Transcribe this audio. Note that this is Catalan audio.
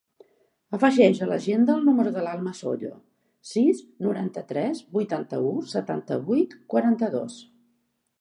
Afegeix a l'agenda el número de l'Almas Hoyo: sis, noranta-tres, vuitanta-u, setanta-vuit, quaranta-dos.